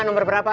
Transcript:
ya nomor berapa